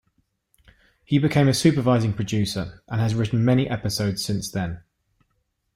He became a supervising producer, and has written many episodes since then.